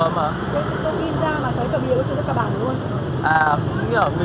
tất cả toàn hàng đôi